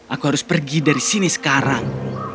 aku harus pergi dari sini sekarang